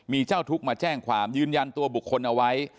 มีเจ้าทุกข์มาแจ้งความยืนยันตัวบุคคลเอาไว้